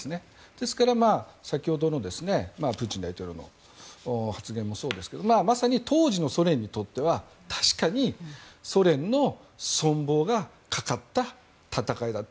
ですから、先ほどのプーチン大統領の発言もそうですけどまさに当時のソ連にとっては確かにソ連の存亡がかかった戦いだった。